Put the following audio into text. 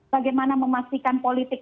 bagaimana memastikan politik